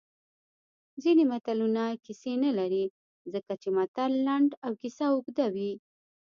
ځینې متلونه کیسې نه لري ځکه چې متل لنډ او کیسه اوږده وي